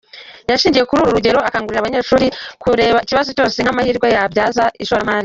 Yashingiye kuri uru rugero akangurira aba banyeshuri kureba ikibazo cyose nk’amahirwe babyaza ishoramari.